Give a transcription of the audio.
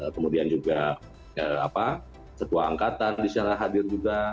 kemudian juga setua angkatan disana hadir juga